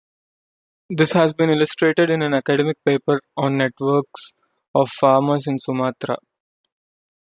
This has been illustrated in an academic paper on networks of farmers in Sumatra.